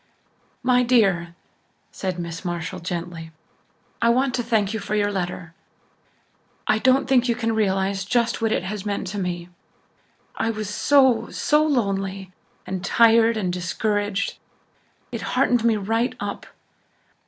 "My dear," said Miss Marshall gently, "I want to thank you for your letter, I don't think you can realize just what it has meant to me. I was so so lonely and tired and discouraged. It heartened me right up.